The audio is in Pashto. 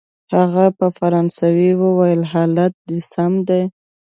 هغه په فرانسوي وویل: حالت دی سم دی؟